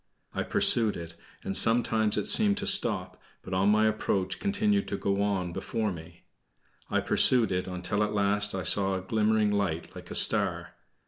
I pursued it, and sometimes it seemed to stop, but on my approach continued to go on before me. I pursued it, until at last I saw a glimmering light like a star.